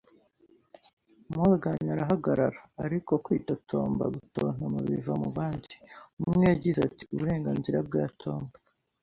Morgan arahagarara, ariko kwitotomba gutontoma biva mu bandi. Umwe yagize ati: “Uburenganzira bwa Tom.